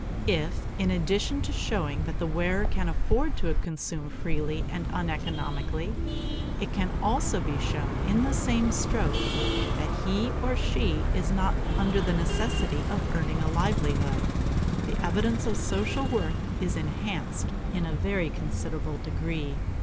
If, in addition to showing that the wearer can afford to consume freely and uneconomically, it can also be shown in the same stroke that he or she is not under the necessity of earning a livelihood, the evidence of social worth is enhanced in a very considerable degree.